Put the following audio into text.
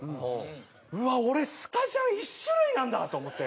うわ俺スタジャン１種類なんだと思って。